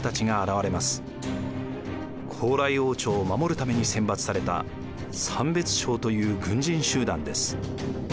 高麗王朝を守るために選抜された三別抄という軍人集団です。